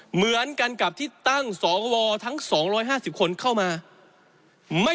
เหมือนกันกับที่ตั้งสวทั้ง๒๕๐คนเข้ามา